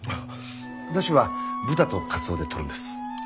出汁は豚とカツオでとるんです。